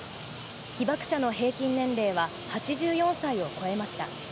被爆者の平均年齢は８４歳を超えました。